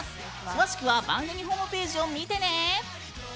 詳しくは番組ホームページを見てね！